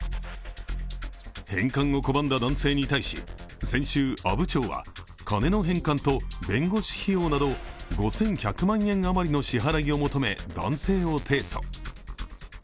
返還を拒んだ男性に対し、先週、阿武町は金の返還と弁護士費用など５１００万円あまりの支払いを求め男性を提訴。